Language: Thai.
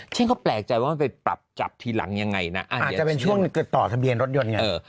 ฉันก็แปลกใจว่ามันไปปรับจับทีหลังยังไงนะอาจจะเป็นช่วงต่อทะเบียนรถยนต์ไง